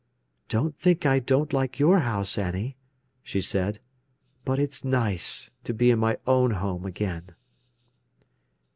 "Don't think I don't like your house, Annie," she said; "but it's nice to be in my own home again."